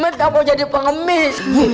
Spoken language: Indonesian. met nggak mau jadi pengemis